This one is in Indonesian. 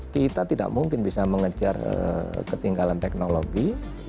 kita tidak mungkin bisa mengejar ketinggalan teknologi